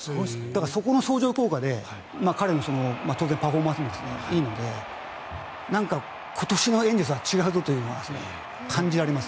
そこの相乗効果で彼のパフォーマンスもいいので今年のエンゼルスは違うぞというのは感じられます。